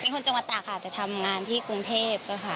เป็นคนจังหวัดตากค่ะแต่ทำงานที่กรุงเทพค่ะ